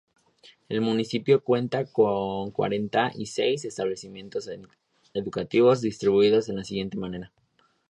El Municipio cuenta con cuarenta y seis establecimientos educativos distribuidos de la siguiente manera.